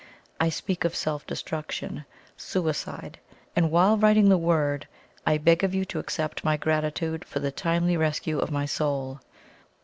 I speak of self destruction suicide. And while writing the word, I beg of you to accept my gratitude for the timely rescue of my soul.